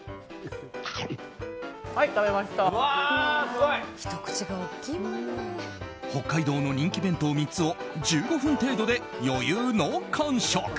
すごい。北海道の人気弁当３つを１５分程度で余裕の完食。